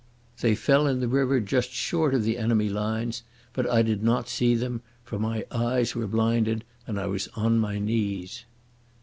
They fell in the river just short of the enemy lines, but I did not see them, for my eyes were blinded and I was on my knees.